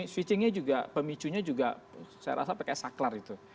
switchingnya juga pemicunya juga saya rasa pakai saklar itu